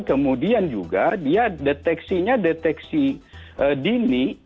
kemudian juga dia deteksinya deteksi dini